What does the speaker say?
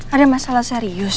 ada masalah serius